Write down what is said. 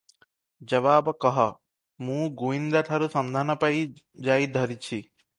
ଜବାବ କଃ - ମୁଁ ଗୁଇନ୍ଦାଠାରୁ ସନ୍ଧାନ ପାଇ ଯାଇ ଧରିଛି ।